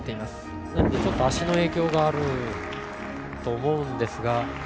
なのでちょっと足の影響があると思うんですが。